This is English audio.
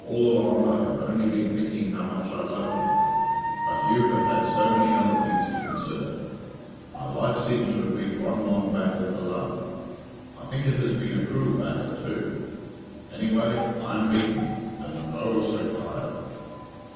All along I have only been thinking how much I loved you, but you have had so many other things to consider. My life seems to have been one long battle for love. I think it has been a cruel battle too. Anyway, I am beaten, and oh! so tired.